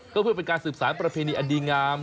ก็เพื่อเป็นการสืบสารประเพณีอดีงาม